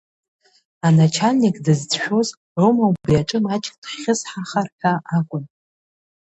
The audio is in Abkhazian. Аначальник дызцәшәоз, Рома убри аҿы маҷк дхьысҳахар ҳәа акәын.